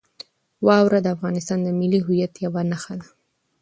واوره د افغانستان د ملي هویت یوه نښه ده.